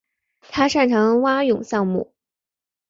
他擅长蛙泳项目。